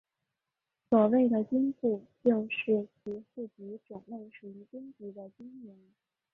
所谓的军户就是其户籍种类属于军籍的军人。